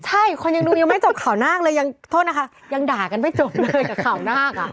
ใช่คนยังดูยังไม่จบข่าวนาคเลยยังโทษนะคะยังด่ากันไม่จบเลยกับข่าวนาคอ่ะ